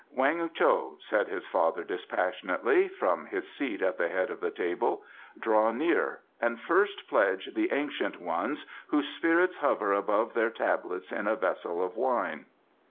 "Weng Cho," said his father dispassionately, from his seat at the head of the table, "draw near, and first pledge the Ancient Ones whose spirits hover above their Tablets in a vessel of wine."